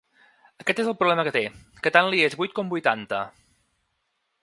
Aquest és el problema que té, que tant li és vuit com vuitanta.